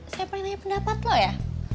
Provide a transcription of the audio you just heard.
saya pengen tanya pendapat lo ya